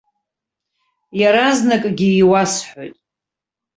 Иаразнакгьы иуасҳәоит.